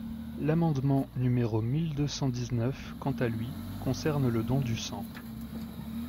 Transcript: L’amendement numéro mille deux cent dix-neuf, quant à lui, concerne le don du sang.